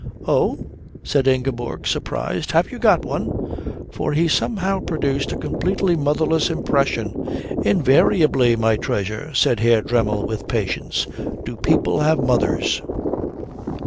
"Oh?" said Ingeborg, surprised. "Have you got one?" For he somehow produced a completely motherless impression. "Invariably, my treasure," said Herr Dremmel with patience, "do people have mothers."